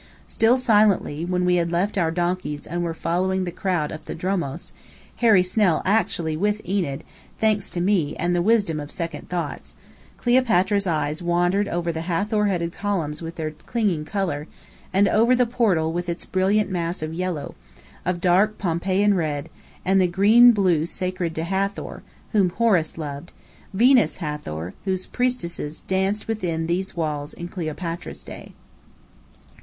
Still silently, when we had left our donkeys and were following the crowd up the dromos (Harry Snell actually with Enid, thanks to me and the wisdom of second thoughts), Cleopatra's eyes wandered over the Hathor headed columns with their clinging colour; and over the portal with its brilliant mass of yellow, of dark Pompeian red, and the green blue sacred to Hathor, whom Horus loved Venus Hathor, whose priestesses danced within these walls in Cleopatra's day.